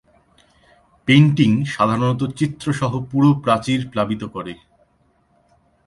Painting সাধারণত চিত্র সহ পুরো প্রাচীর প্লাবিত করে।